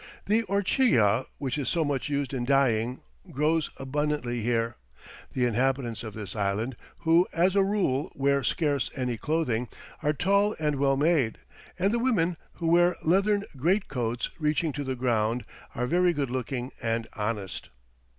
The orchilla, which is so much used in dyeing, grows abundantly here. The inhabitants of this island, who as a rule wear scarce any clothing, are tall and well made, and the women, who wear leathern great coats reaching to the ground, are very good looking and honest.